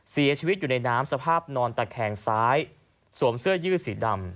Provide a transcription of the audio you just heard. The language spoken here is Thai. เสียชีวิตอยู่ในน้ำสภาพนอนตะแคงซ้ายสวมเสื้อยืดสีดำ